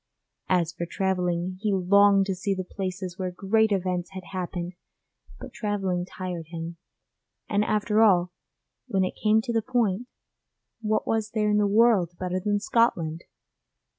As for travelling, he longed to see the places where great events had happened, but travelling tired him, and after all, when it came to the point, what was there in the world better than Scotland?